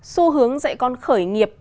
xu hướng dạy con khởi nghiệp